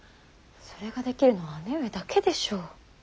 それができるのは姉上だけでしょう。